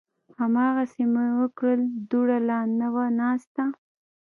هماغسې مې وکړل، دوړه لا نه وه ناسته